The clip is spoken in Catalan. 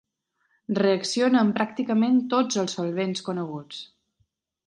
Reacciona amb pràcticament tots els solvents coneguts.